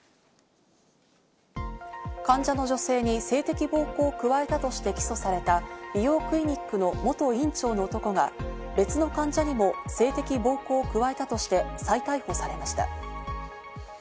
患者の女性に性的暴行を加えたとして起訴された美容クリニックの元院長の男が別の患者にも性的暴行を加えたとして再逮捕されました。